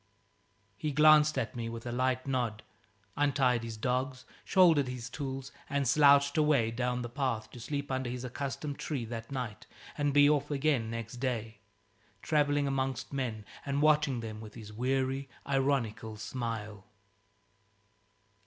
He glanced at me with a light nod, untied his dogs, shouldered his tools, and slouched away down the path, to sleep under his accustomed tree that night and be off again, next day, travelling amongst men and watching them with his weary ironical smile.